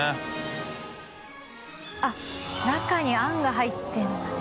あっ中にあんが入ってるんだね。